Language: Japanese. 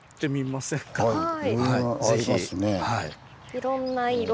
いろんな色。